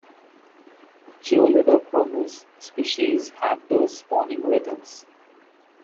"Julidochromis" species have two spawning rhythms.